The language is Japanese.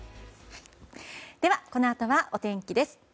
では、このあとはお天気です。